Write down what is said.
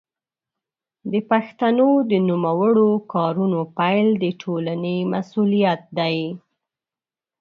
د پښتو د نوموړو کارونو پيل د ټولنې مسوولیت دی.